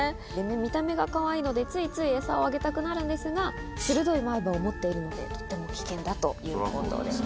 見た目がかわいいので、ついつい餌をあげたくなるんですが、鋭い前歯を持っているので、とても危険だということです。